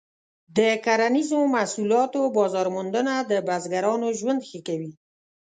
د کرنیزو محصولاتو بازار موندنه د بزګرانو ژوند ښه کوي.